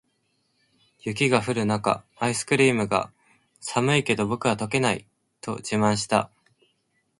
雪が降る中、アイスクリームが「寒いけど、僕は溶けない！」と自慢した。